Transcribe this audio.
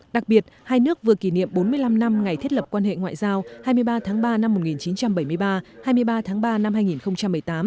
đặc biệt hai nước vừa kỷ niệm bốn mươi năm năm ngày thiết lập quan hệ ngoại giao hai mươi ba tháng ba năm một nghìn chín trăm bảy mươi ba hai mươi ba tháng ba năm hai nghìn một mươi tám